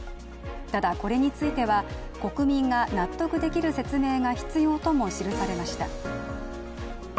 ただこれについては、国民が納得できる説明が必要とも記されました。